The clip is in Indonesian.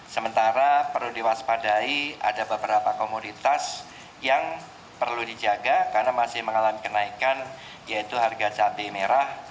sementara perlu diwaspadai ada beberapa komoditas yang perlu dijaga karena masih mengalami kenaikan yaitu harga cabai merah